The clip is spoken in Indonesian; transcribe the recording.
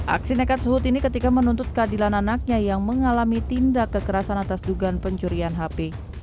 aksi nekat suhut ini ketika menuntut keadilan anaknya yang mengalami tindak kekerasan atas dugaan pencurian hp